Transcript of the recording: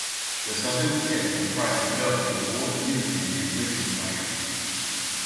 The southern tip comprised the village of Wold Newton in Lincolnshire.